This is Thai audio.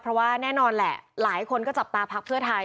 เพราะว่าแน่นอนแหละหลายคนก็จับตาพักเพื่อไทย